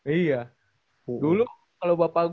iya dulu kalau bapak